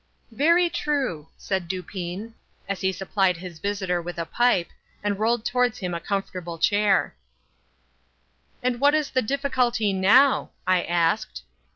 "Very true," said Dupin, as he supplied his visitor with a pipe, and rolled towards him a comfortable chair. "And what is the difficulty now?" I asked.